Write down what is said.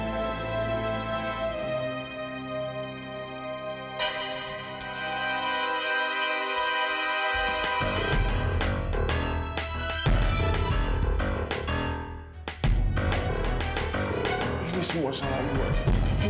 ini semua salah gue dil